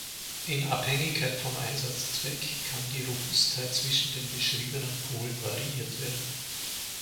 In Abhängigkeit vom Einsatzzweck kann die Robustheit zwischen den beschriebenen Polen variiert werden.